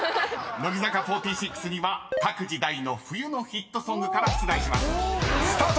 ［「乃木坂４６」には各時代の冬のヒットソングから出題します。スタート！］